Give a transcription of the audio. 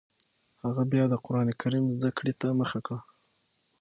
هغه بیا د قران کریم زده کړې ته مخه کړه